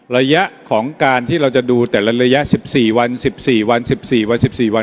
ระยะของการที่เราจะดูแต่ละระยะสิบสี่วันสิบสี่วันสิบสี่วันสิบสี่วัน